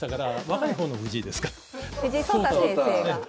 藤井聡太先生が聡太。